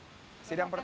dalam sidang pertama